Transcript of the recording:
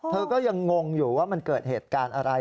เธอก็ยังงงอยู่ว่ามันเกิดเหตุการณ์อะไร